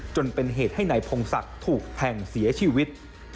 จนเป็นเหตุให้นายพงศักดิ์ถูกแทงเสียชีวิต